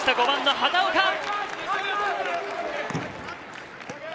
５番の畑岡。